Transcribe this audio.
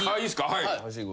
はい。